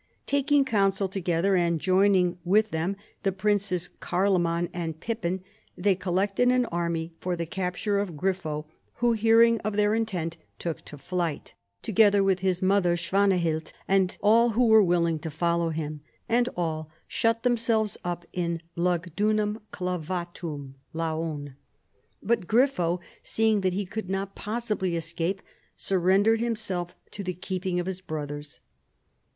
Tak ing counsel together and joining with them the princes Carloman and Pippin, they collected an army for the capture of Grifo, who, hearing of their intent, took to flight, together with his mother Swanahild and all who were willing to follow him, and all shut themselves up in Lugdunum Clavatum (Laon). But Grifo, seeing that he could not possibly escape, surrendered himself to the keeping of his brothers.